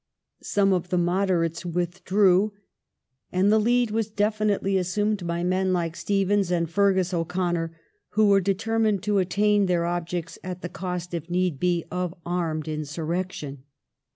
Some of the " moderates " withdrew, and the lead was definitely assumed by men like Stephens and Feargus O'Connor, who were determined to attain their objects at the cost, if need were, of armed insurrection.